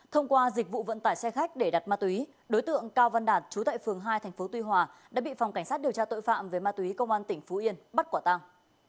thông qua dịch vụ vận tải xe khách để đặt ma túy đối tượng cao văn đạt chú tại phường hai tp tuy hòa đã bị phòng cảnh sát điều tra tội phạm về ma túy công an tỉnh phú yên bắt quả tăng